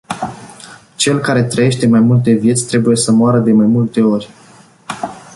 Cel care trăiește mai multe vieți trebuie să moară de mai multe ori.